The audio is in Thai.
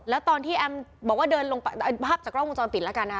แล้วตอนที่แอมบอกว่าเดินลงไปภาพจากกล้องวงจรปิดแล้วกันนะคะ